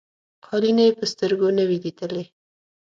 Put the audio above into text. قالیني په سترګو نه وې لیدلي.